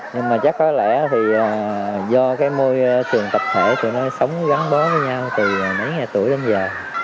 nhưng mà chắc có lẽ thì do cái môi trường tập thể cho nó sống gắn bó với nhau từ mấy ngày tuổi đến giờ